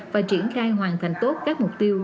và triển khai hoàn thành tốt các mục tiêu